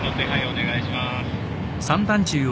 お願いしまーす。